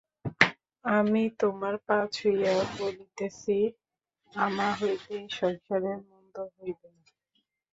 আমি তোমার পা ছুঁইয়া বলিতেছি আমা হইতে এ সংসারের মন্দ হইবে না।